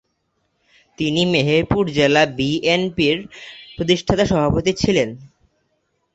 তিনি মেহেরপুর জেলা বিএনপি’র প্রতিষ্ঠাতা সভাপতি ছিলেন।